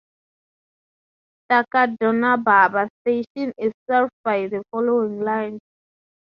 Takadanobaba Station is served by the following lines.